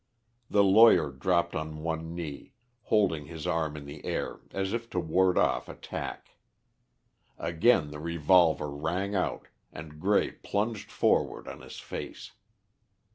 The lawyer dropped on one knee, holding his arm in the air as if to ward off attack. Again the revolver rang out, and Grey plunged forward on his face.